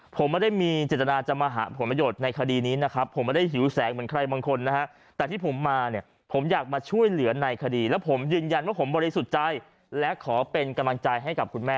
ผมไม่ได้มีเจตนาจะมาหาผมประโยชน์ในคดีนี้นะครับ